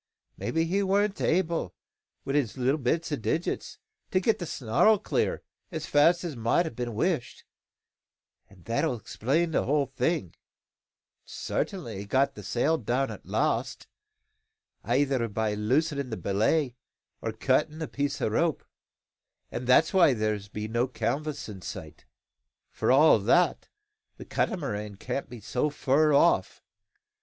Maybe he warn't able, wi' his little bits o' digits, to get the snarl clear, as fast as mout a' been wished; an' that'll explain the whole thing. Sartin he got down the sail at last, eyther by loosin' the belay, or cuttin' the piece o' rope, and that's why there be no canvas in sight. For all that, the Catamaran can't be so fur off.